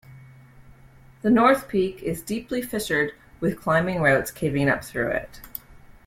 The North Peak is deeply fissured, with climbing routes caving up through it.